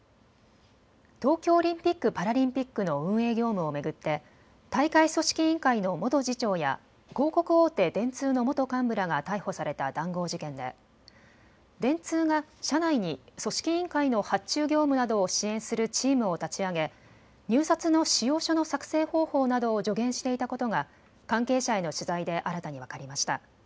東京オリンピック・パラリンピックの運営業務を巡って大会組織委員会の元次長や広告大手、電通の元幹部らが逮捕された談合事件で電通が社内に組織委員会の発注業務などを支援するチームを立ち上げ入札の仕様書の作成方法などを助言していたことが関係者への取材で新たに分かりました。